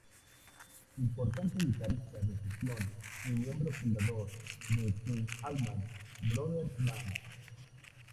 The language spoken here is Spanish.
Importante guitarrista de sesión y miembro fundador de The Allman Brothers Band.